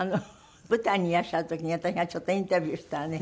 舞台にいらっしゃる時に私がちょっとインタビューしたらね